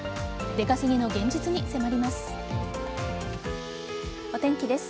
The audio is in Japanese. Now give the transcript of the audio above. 出稼ぎの現実に迫ります。